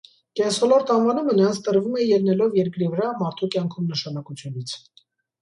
Կենսոլորտ անվանումը նրանց տրվում է ելնելով երկրի վրա մարդու կյանքում նշանակությունից։